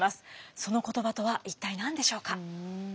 その言葉とは一体何でしょうか？